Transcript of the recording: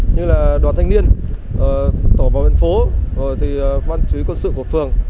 như là đoàn thanh niên tổ bảo viện phố quân chí quân sự của phường